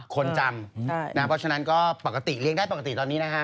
คนจำนะครับเพราะฉะนั้นก็เรียงได้ปกติตอนนี้นะฮะ